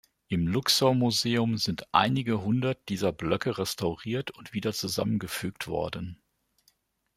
Im Luxor-Museum sind einige hundert dieser Blöcke restauriert und wieder zusammengefügt worden.